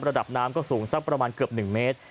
ระดับน้ำก็สูงสักประมาณเกือบ๑เมตร